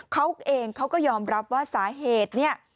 เขาเองเขาก็ยอมรับว่าสาเหตุเนี่ย